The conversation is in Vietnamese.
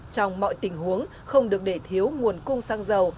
trong mọi tình huống không được để thiếu nguồn cung xăng dầu